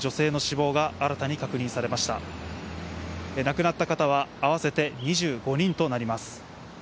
亡くなった方は合わせて２５人となります。